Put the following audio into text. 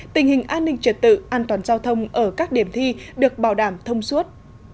tình hình an ninh trật tự an toàn giao thông ở các điểm thi được bảo đảm thông suốt